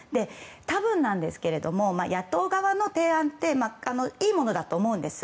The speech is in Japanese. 多分ですけれども野党側の提案っていいものだと思うんです。